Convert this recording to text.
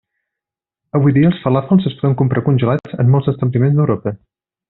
Avui dia els falàfels es poden comprar congelats en molts establiments d'Europa.